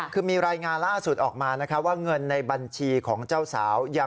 คือมีรายงานล่าสุดออกมานะครับว่าเงินในบัญชีของเจ้าสาว